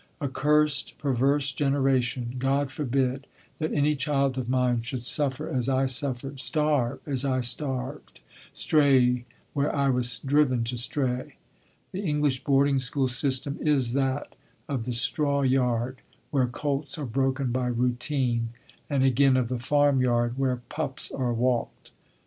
Accursed, perverse generation! God forbid that any child of mine should suffer as I suffered, starve as I starved, stray where I was driven to stray. The English boarding school system is that of the straw yard where colts are broken by routine, and again of the farmyard where pups are walked.